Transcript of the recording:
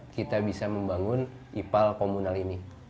kita bisa membangun ipal komunal ini